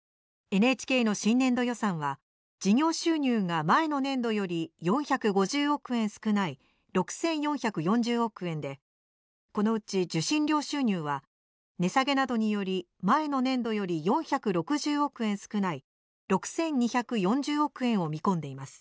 ＮＨＫの新年度予算は事業収入が前の年度より４５０億円少ない６４４０億円でこのうち受信料収入は値下げなどにより前の年度より４６０億円少ない６２４０億円を見込んでいます。